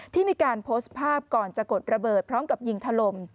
ที่มีการโพสต์ภาพก่อนจะกดระเบิดพร้อมกับยิงถล่ม